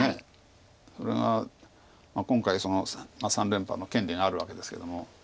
それが今回３連覇の権利があるわけですけども。